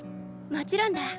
もちろんだ。